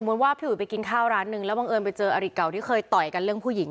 ว่าพี่อุ๋ยไปกินข้าวร้านหนึ่งแล้วบังเอิญไปเจออริเก่าที่เคยต่อยกันเรื่องผู้หญิง